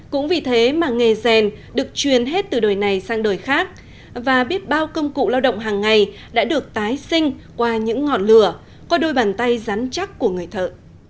cũng vì thế mà nghề rèn được truyền hết từ đời này sang đời khác và biết bao công cụ lao động hàng ngày đã được tái sinh qua những ngọn lửa qua đôi bàn tay rắn chắc của người thợ